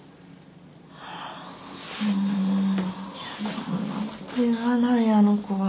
そんなこと言わないあの子は。